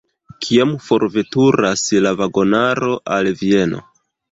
Kiam forveturas la vagonaro al Vieno?